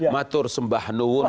matur sembah nuwur